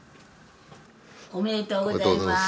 おめでとうございます。